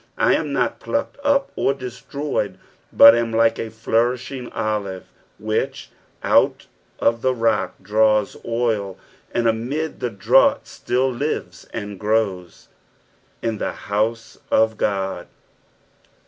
I am not plucked up or destroyed, but am like a flouriahiag olive, which out of the rock draws oil, and amid the drought still lives and grows. " In Ihe hotuB of Ood."